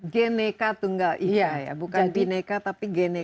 geneka tunggal ika ya bukan bineka tapi geneka